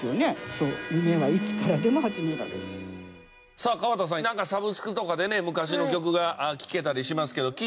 さあ河田さんなんかサブスクとかでね昔の曲が聴けたりしますけど聴いたりしますか？